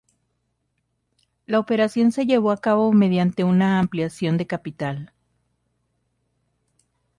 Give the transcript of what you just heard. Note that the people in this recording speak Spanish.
La operación se llevó a cabo mediante una ampliación de capital.